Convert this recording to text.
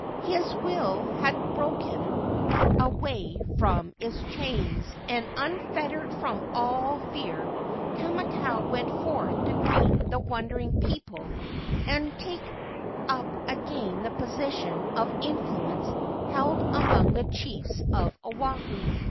His will had broken away from its chains, and, unfettered from all fear, Kamakau went forth to greet the wonder¬ ing people and take up again the position of influence held among the chiefs of Oahu.